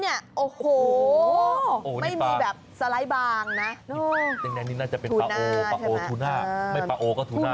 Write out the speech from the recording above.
อันนี้น่าจะเป็นปาโอปาโอทูน่าไม่ปาโอก็ทูน่า